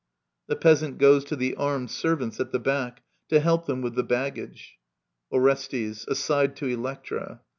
[The Peasant goes to the Armed Servants at the backy to help them with the baggage. Orestes {aside to Electra).